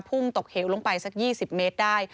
พุ่งตกเหวลงไปสัก๒๐เมตรได้